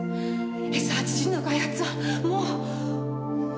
「Ｓ８２」の開発はもう。